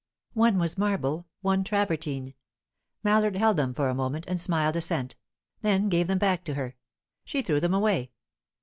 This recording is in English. One was marble, one travertine. Mallard held them for a moment, and smiled assent; then gave them back to her. She threw them away.